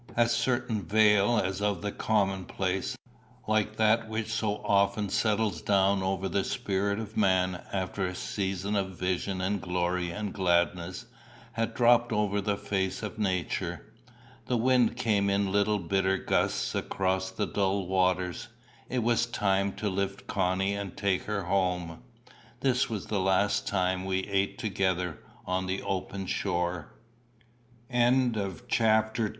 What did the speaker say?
A certain veil as of the commonplace, like that which so often settles down over the spirit of man after a season of vision and glory and gladness, had dropped over the face of Nature. The wind came in little bitter gusts across the dull waters. It was time to lift Connie and take her home. This was the last time we ate together on the open shore. CHAPTER III.